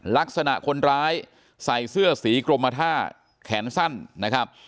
ลักษณะคนร้ายใส่เสื้อสีกรมท่าแขนสั้นนะครับ